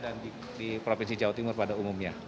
dan di provinsi jawa timur pada umumnya